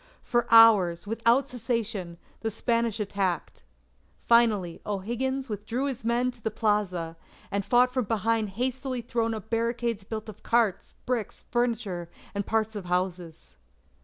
For hours, without cessation, the Spanish attacked. Finally, O'Higgins withdrew his men to the plaza, and fought from behind hastily thrown up barricades built of carts, bricks, furniture, and parts of houses.